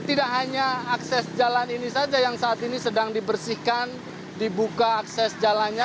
dan tidak hanya akses jalan ini saja yang saat ini sedang dibersihkan dibuka akses jalannya